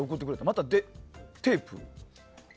またテープ？